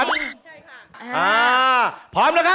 สวัสดีค่ะ